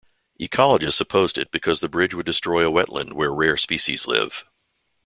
Ecologists opposed it because the bridge would destroy a wetland where rare species live.